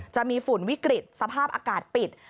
ฝุ่นวิกฤตสภาพอากาศปิด